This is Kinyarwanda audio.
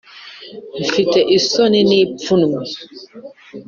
Mfite isoni n ipfunwe